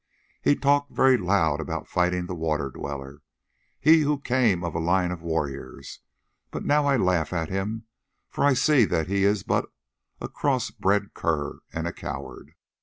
he talked very loud about fighting the Water Dweller, he who came of a line of warriors; but now I laugh at him, for I see that he is but a cross bred cur and a coward.